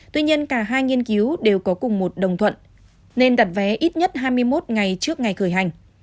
tuy nhiên cả hai nghiên cứu đều có cùng một đồng thuận nên đặt vé ít nhất hai mươi một ngày trước ngày khởi hành